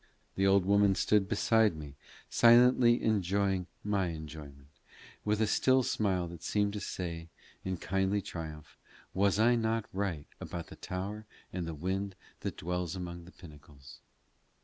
The old woman stood beside me, silently enjoying my enjoyment, with a still smile that seemed to say in kindly triumph, "Was I not right about the tower and the wind that dwells among its pinnacles?"